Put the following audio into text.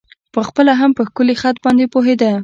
په خپله هم په ښکلی خط باندې پوهېده.